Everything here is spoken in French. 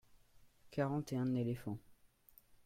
quarante et un éléphants.